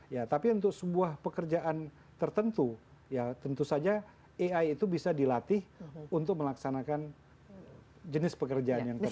ya tapi untuk sebuah pekerjaan tertentu ya tentu saja ai itu bisa dilatih untuk melaksanakan jenis pekerjaan yang kecil